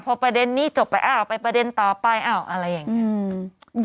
พอประเด็นนี้จบไปอ้าวไปประเด็นต่อไปอ้าวอะไรอย่างนี้